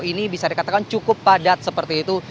ini bisa dikatakan cukup padat seperti itu